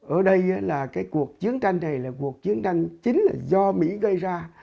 ở đây là cái cuộc chiến tranh này là cuộc chiến tranh chính là do mỹ gây ra